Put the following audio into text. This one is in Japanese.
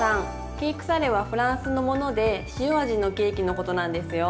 ケークサレはフランスのもので塩味のケーキのことなんですよ。